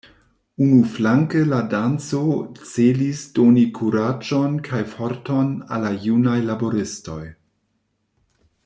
Unuflanke la danco celis doni kuraĝon kaj forton al la junaj laboristoj.